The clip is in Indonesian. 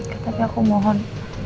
kak tapi aku mohon